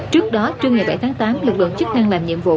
trước đó trưa ngày bảy tháng tám lực lượng chức năng làm nhiệm vụ